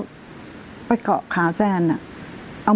คุณแม่ก็ไม่อยากคิดไปเองหรอก